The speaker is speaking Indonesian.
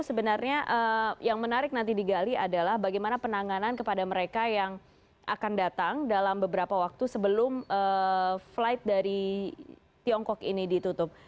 sebenarnya yang menarik nanti digali adalah bagaimana penanganan kepada mereka yang akan datang dalam beberapa waktu sebelum flight dari tiongkok ini ditutup